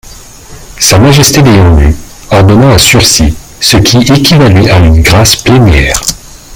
Sa Majesté l'ayant lue, ordonna un sursis, ce qui équivalait à une grâce plénière.